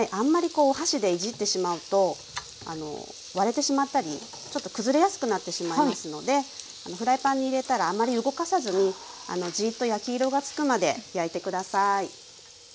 こうお箸でいじってしまうと割れてしまったりちょっと崩れやすくなってしまいますのでフライパンに入れたらあまり動かさずにじっと焼き色が付くまで焼いて下さい。